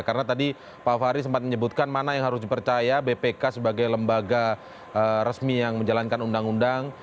karena tadi pak fahri sempat menyebutkan mana yang harus dipercaya bpk sebagai lembaga resmi yang menjalankan undang undang